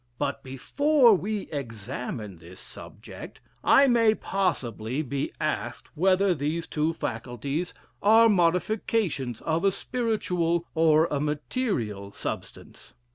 But; before we examine this subject, I may possibly be asked whether these two faculties are modifications of a spiritual or a material substance?